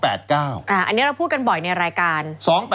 อันนี้เราพูดกันบ่อยในรายการ